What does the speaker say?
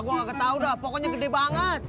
gua gak tau dah pokoknya gedeh banget